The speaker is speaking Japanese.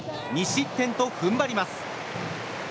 ２失点と踏ん張ります。